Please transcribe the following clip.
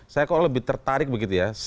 saya kalau lebih tertarik begitu ya